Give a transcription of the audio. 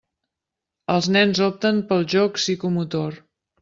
Els nens opten pel joc psicomotor.